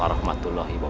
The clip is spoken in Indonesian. wa rahmatullah wabarakatuh